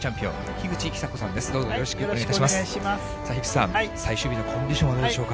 樋口さん、最終日のコンディションはどうでしょうか。